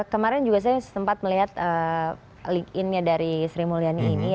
kemarin juga saya sempat melihat link in nya dari sri mulyani ini